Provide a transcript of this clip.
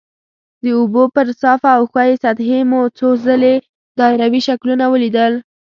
د اوبو پر صافه او ښویې سطحې مو څو ځلې دایروي شکلونه ولیدل.